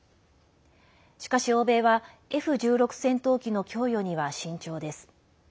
しかし、欧米はＦ１６戦闘機の供与には慎重です。